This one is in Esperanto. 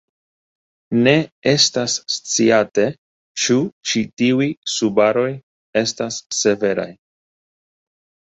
Ne estas sciate ĉu ĉi tiuj subaroj estas severaj.